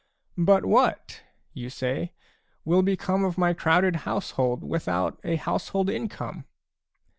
" But what," you say, " will become of my crowded household without a household income